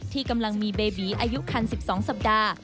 ที่กำลังมีเบบีอายุคัน๑๒สัปดาห์